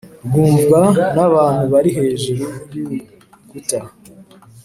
rwumvwa n’abantu bari hejuru y’urukuta.»